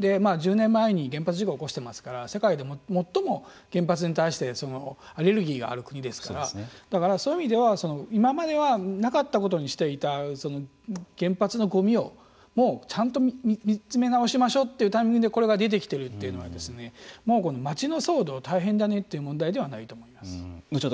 １０年前に原発事故を起こしてますから世界で最も原発に対してアレルギーがある国ですからだから、そういう意味では今まではなかったことにしていた原発のごみをもうちゃんと見つめ直しましょうというタイミングでこれが出てきているというのは町の騒動大変だねという後ほど